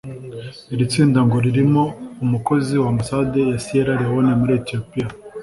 Iri tsinda ngo ririmo umukozi wa Ambasade ya Sierra Leone muri Ethiopia